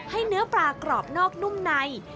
เนื้อปลากรอบนอกนุ่มใน